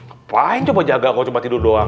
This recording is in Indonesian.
ngapain coba jaga kok cuma tidur doang